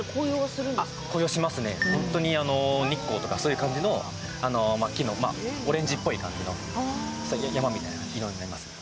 日光とかそういう感じの木のオレンジっぽい感じの山みたいな色になりますね。